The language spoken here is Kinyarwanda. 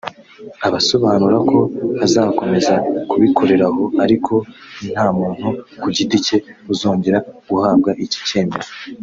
asobanura ko bazakomeza kubikoreraho ariko ko nta muntu ku giti cye uzongera guhabwa iki cyemezo